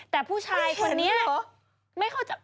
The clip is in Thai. แต่ผู้ชายคนนี้ไม่เข้าใจ